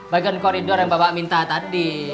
bagian koridor yang bapak minta tadi